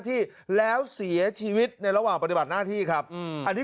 ที่แล้วเสียชีวิตในระหว่างปฏิบัติหน้าที่ครับอันนี้